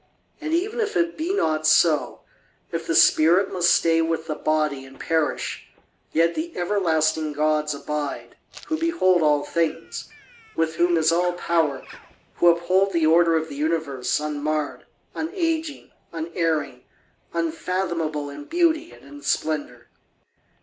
And even if it be not so, if the spirit must stay with the body and perish, yet the everlasting gods abide, who behold all things, with whom is all power, who uphold the order of this universe, unmarred, unaging, unerring, unfathomable in beauty and in splendour.